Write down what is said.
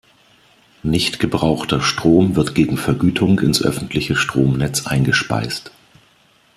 Nicht gebrauchter Strom wird gegen Vergütung ins öffentliche Stromnetz eingespeist.